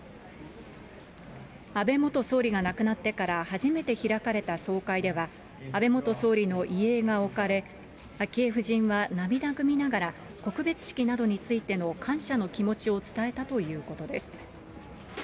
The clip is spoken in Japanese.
安倍元総理が亡くなってから初めて開かれた総会では、安倍元総理の遺影が置かれ、昭恵夫人は涙ぐみながら、告別式などについての感謝の気持ちを伝えたということです。